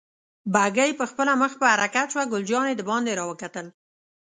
بګۍ پخپله مخ په حرکت شوه، ګل جانې دباندې را وکتل.